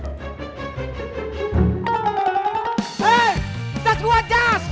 hei jas gua jas